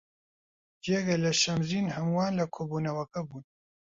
جگە لە شەمزین هەمووان لە کۆبوونەوەکە بوون.